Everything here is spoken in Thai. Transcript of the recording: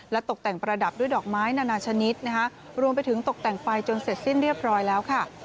ตกแต่งประดับด้วยดอกไม้นานาชนิดนะคะรวมไปถึงตกแต่งไฟจนเสร็จสิ้นเรียบร้อยแล้วค่ะ